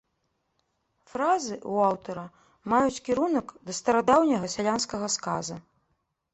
Фразы ў аўтара маюць кірунак да старадаўняга сялянскага сказа.